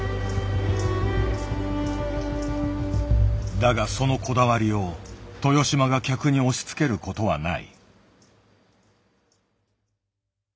だがそのこだわりを豊島が客に押しつけることはない。